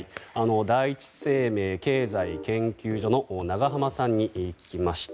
第一生命経済研究所の永濱さんに聞きました。